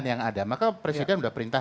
jadi kalau kita ketahui dari situ